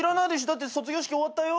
だって卒業式終わったよ。